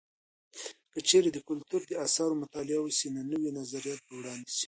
که چیرې د کلتور د اثارو مطالعه وسي، نو نوي نظریات به وړاندې سي.